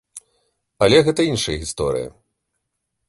Але гэта іншая гісторыя.